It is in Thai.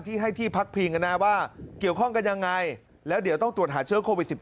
ให้ที่พักพิงกันนะว่าเกี่ยวข้องกันยังไงแล้วเดี๋ยวต้องตรวจหาเชื้อโควิด๑๙